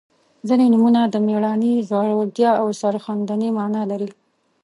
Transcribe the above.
• ځینې نومونه د میړانې، زړورتیا او سرښندنې معنا لري.